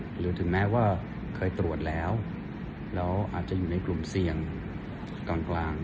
หรือถึงแม้ว่าเคยตรวจแล้วแล้วอาจจะอยู่ในกลุ่มเสี่ยงกลาง